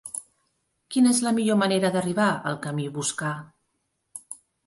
Quina és la millor manera d'arribar al camí Boscà?